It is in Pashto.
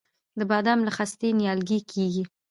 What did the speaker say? د بادام له خستې نیالګی کیږي؟